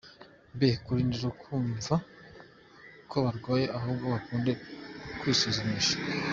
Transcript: Be kurindira kumva ko barwaye ahubwo bakunde kwisuzumisha.